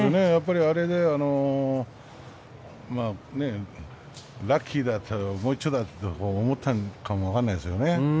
あれでラッキーだったもう一丁だと思ったかも分からないですよね。